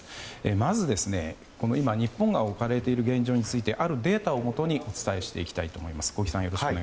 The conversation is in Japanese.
まず今、日本が置かれている現状についてあるデータをもとにお伝えしていきたいと思います。